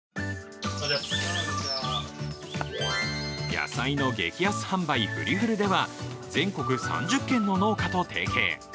野菜の激安販売フリフルでは、全国３０軒の農家と提携。